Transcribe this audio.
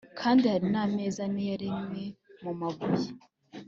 Kandi hari n ameza ane yaremwe mu mabuye